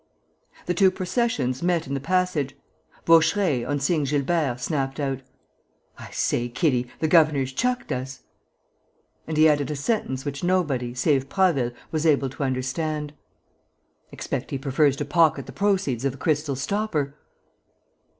The two processions met in the passage. Vaucheray, on seeing Gilbert, snapped out: "I say, kiddie, the governor's chucked us!" And he added a sentence which nobody, save Prasville, was able to understand: "Expect he prefers to pocket the proceeds of the crystal stopper."